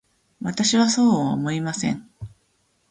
私はそうは思いません。